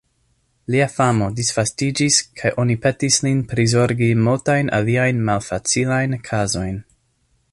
Lia famo disvastiĝis kaj oni petis lin prizorgi multajn aliajn malfacilajn kazojn.